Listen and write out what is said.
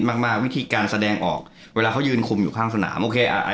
มากมากวิธีการแสดงออกเวลาเขายืนคุมอยู่ข้างสนามโอเคอ่า